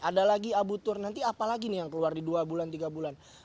ada lagi abu tur nanti apa lagi nih yang keluar di dua bulan tiga bulan